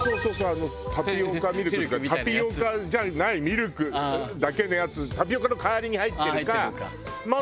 あのタピオカミルクっていうかタピオカじゃないミルクだけのやつタピオカの代わりに入ってるかあとスープよね。